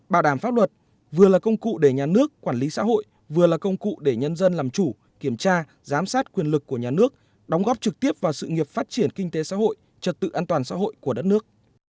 bảo đảm pháp luật vừa là công cụ để nhà nước quản lý xã hội vừa là công cụ để nhân dân làm chủ kiểm tra giám sát quyền lực của nhà nước đóng góp trực tiếp vào sự nghiệp phát triển kinh tế xã hội trật tự an toàn xã hội của đất nước